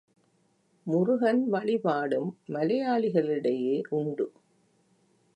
முருகன் வழிபாடும் மலையாளிகளிடையே உண்டு.